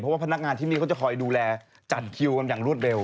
เพราะว่าพนักงานที่นี่เขาจะคอยดูแลจัดคิวกันอย่างรวดเร็ว